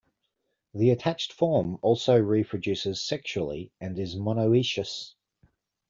The attached form also reproduces sexually, and is monoecious.